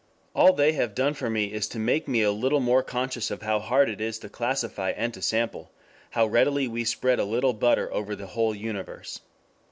All they have done for me is to make me a little more conscious of how hard it is to classify and to sample, how readily we spread a little butter over the whole universe.